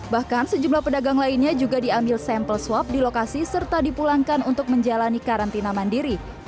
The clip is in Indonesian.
bahkan sejumlah pedagang lainnya juga diambil sampel swab di lokasi serta dipulangkan untuk menjalani karantina mandiri